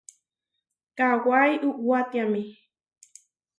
Kawái uwatiáme.